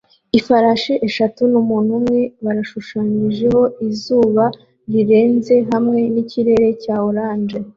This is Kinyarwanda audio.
Ifarashi eshatu numuntu umwe barashushanyijeho izuba rirenze hamwe nikirere cya orange